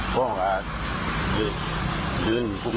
ค้าร่ายไปทิ้ง